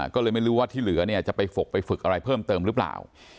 ก็เลยไม่รู้ว่าที่เหลือเนี่ยจะไปฝกไปฝึกอะไรเพิ่มเติมหรือเปล่า